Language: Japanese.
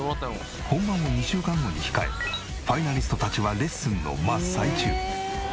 本番を２週間後に控えファイナリストたちはレッスンの真っ最中。